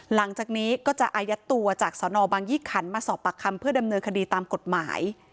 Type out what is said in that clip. หลังจากนี้ก็จะอายัดตัวจากสนบางยี่ขันมาสอบปากคำเพื่อดำเนินคดีตามกฎหมาย